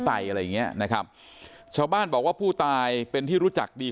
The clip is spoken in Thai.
อะไรอย่างเงี้ยนะครับชาวบ้านบอกว่าผู้ตายเป็นที่รู้จักดี